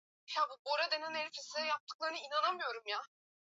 Siwezi kuambiwa chochote na mwingine